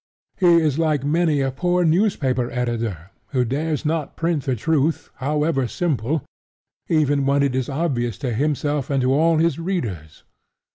He is like many a poor newspaper editor, who dares not print the truth, however simple, even when it is obvious to himself and all his readers.